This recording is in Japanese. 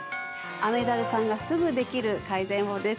雨ダルさんがすぐできる改善法です。